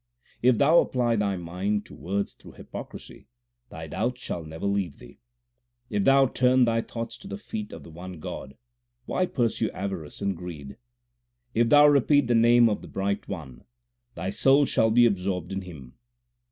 If thou apply thy mind to words through hypocrisy, thy doubts shall never leave thee. If thou turn thy thoughts to the feet of the one God, why pursue avarice and greed ? If thou repeat the Name of the Bright One, thy soul shall be absorbed in Him.